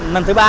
lần thứ ba